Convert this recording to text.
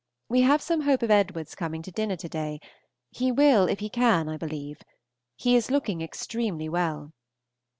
We have some hope of Edward's coming to dinner to day; he will, if he can, I believe. He is looking extremely well.